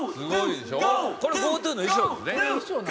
「これＧＯ☆ＴＯの衣装です」